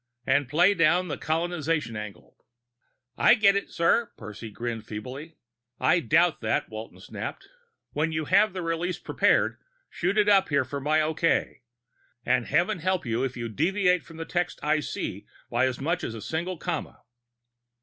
And play down the colonization angle!" "I get it, sir." Percy grinned feebly. "I doubt that," Walton snapped. "When you have the release prepared, shoot it up here for my okay. And heaven help you if you deviate from the text I see by as much as a single comma!"